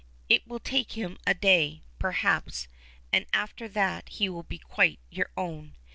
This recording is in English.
"It will take him a day, perhaps, and after that he will be quite your own.